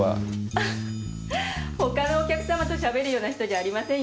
アハ他のお客様としゃべるような人じゃありませんよ